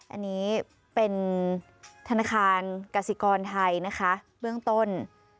อันนี้เป็นธนาคารกสิกรไทยนะคะเบื้องต้น